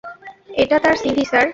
এটা তার CV, sir.